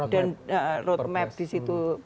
dan roadmap disitu